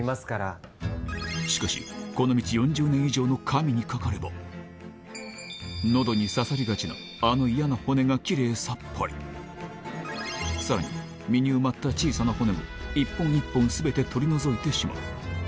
しかしこの道４０年以上の神にかかれば喉に刺さりがちなあの嫌な骨がきれいさっぱりさらに身に埋まった小さな骨を１本１本全て取り除いてしまう